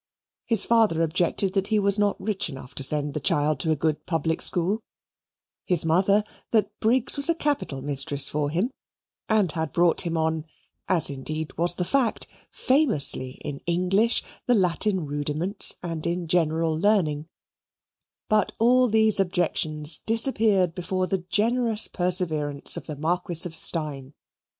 His father objected that he was not rich enough to send the child to a good public school; his mother that Briggs was a capital mistress for him, and had brought him on (as indeed was the fact) famously in English, the Latin rudiments, and in general learning: but all these objections disappeared before the generous perseverance of the Marquis of Steyne.